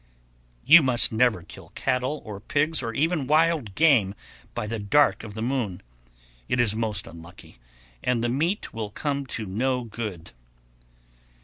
_ 1129. You must never kill cattle or pigs, or even wild game, by the "dark of the moon;" it is most unlucky, and the meat will come to no good.